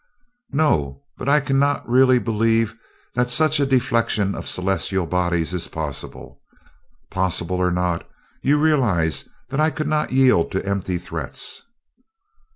"No; but I cannot really believe that such a deflection of celestial bodies is possible. Possible or not, you realize that I could not yield to empty threats."